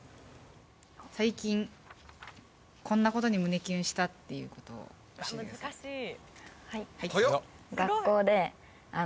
・最近こんなことに胸キュンしたっていうこと教えてください